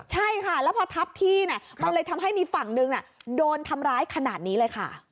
ใช่ค่ะแล้วพอทับที่มันเลยทำให้มีฝั่งหนึ่งโดนทำร้ายขนาดนี้เลยค่ะ